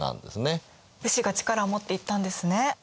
武士が力を持っていったんですね。